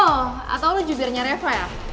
oh atau lo jubirnya tereva ya